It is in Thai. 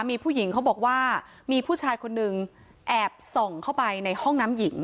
มีผู้หญิงเขาบอกว่ามีผู้ชายคนนึงแอบส่องเข้าไปในห้องน้ำหญิง